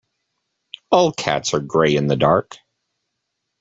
All cats are grey in the dark.